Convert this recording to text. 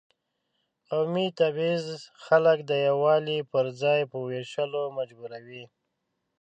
قومي تبعیض خلک د یووالي پر ځای په وېشلو مجبوروي.